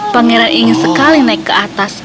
pangeran ingin sekali naik ke atas